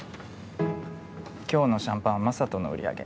今日のシャンパンＭａｓａｔｏの売り上げ。